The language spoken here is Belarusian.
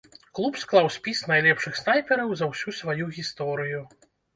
Клуб склаў спіс найлепшых снайпераў за ўсю сваю гісторыю.